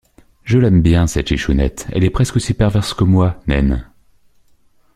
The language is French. Je l’aime bien cette chichounette, elle est presque aussi perverse que moi, naine!